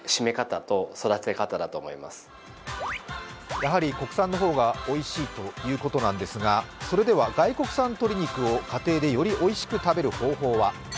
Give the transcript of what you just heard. やはり国産の方がおいしいということなんですが、それでは外国産鶏肉を家庭でよりおいしく食べる方法は？